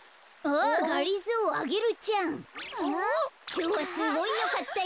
きょうはすごいよかったよ。